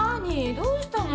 どうしたのよ？